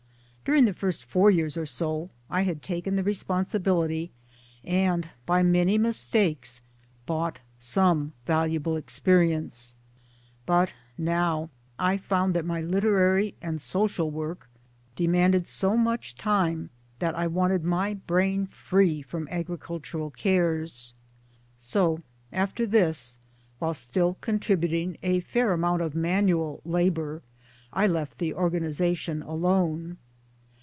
During the first four years or so I had taken the responsibility, and by many mistakes bought some valuable experience but now I found that my literary and social work demanded so much time that I wanted my brain free from agricultural cares. So after this, while still 1 con tributing a fair amount of manual labour I left the organization alone.